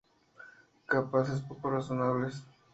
Capataces poco razonables.